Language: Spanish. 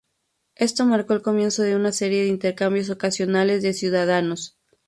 Esto marcó el comienzo de una serie de intercambios ocasionales de ciudadanos.